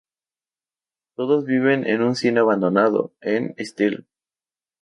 Todos viven en un cine abandonado, el Stella.